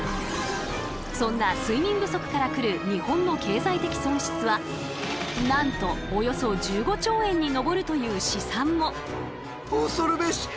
そんな睡眠不足から来る日本の経済的損失はなんとおよそ１５兆円に上るという試算も！